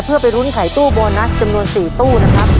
เพื่อไปรุ้นขายตู้โบนัสจำนวน๔ตู้นะครับ